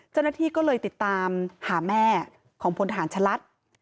เจ้าหน้าที่ก็เลยติดตามหาแม่ของพลฐานชะลัด